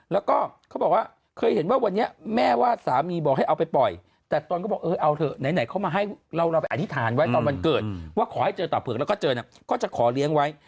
แล้วเคยเห็นว่าแม่สามีบอกให้เอาไปปล่อยเพราะตอนนั้นก็บอกเอาไงฉะนั้นเขาแค่ให้เราอธิษฐานไปวันเกิดว่าคอยเจอตัวเผือกแล้วก็จะขอเลี้ยงไว้